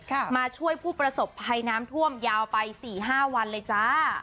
มาช่วยผู้ประสบภัยน้ำท่วมยาวไปสี่ห้าวันเลยจ้า